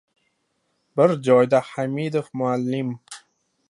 Bir joyda Hamidov muallim: